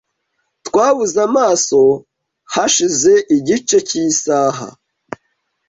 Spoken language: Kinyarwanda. Twabuze amaso hashize igice cyisaha .